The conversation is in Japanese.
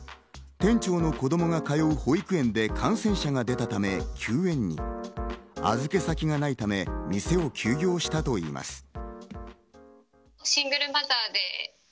店長の子供が通う保育園で感染者が出たため休園に預け先がないため、店を休業したといいます。